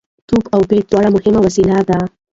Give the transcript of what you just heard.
توپ او بېټ دواړه مهم وسایل دي.